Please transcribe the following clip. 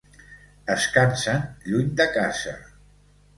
Es cansen lluny de casa.